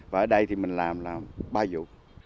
và ở đây thì mình làm là ba vụ